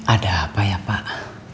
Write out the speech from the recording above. ada apa ya pak